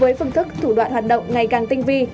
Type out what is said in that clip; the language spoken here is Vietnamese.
với phương thức thủ đoạn hoạt động ngày càng tinh vi